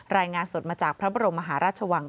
รายงานสดมาจากพระบรมมหาราชวัง